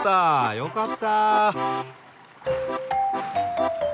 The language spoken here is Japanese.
よかったあ。